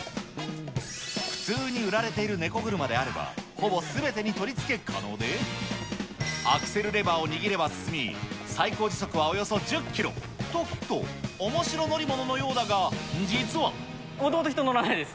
普通に売られているネコ車であれば、ほぼすべてに取り付け可能で、アクセルレバーを握れば進み、最高時速はおよそ１０キロ。と聞くとと聞くと、おもしろ乗り物のようだが、実は。もともと人、乗らないです。